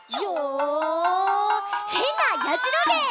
へんなやじろべえ」